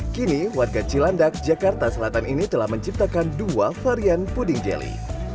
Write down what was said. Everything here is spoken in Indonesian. kini warga cilandak jakarta selatan ini telah menciptakan dua varian puding jeli